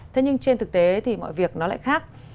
thế nhưng trên thực tế thì mọi việc nó lại khác